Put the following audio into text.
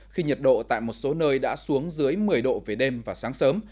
khi nhiệt độ tại một số nơi đã xuống dưới một mươi độ về đêm và sáng sớm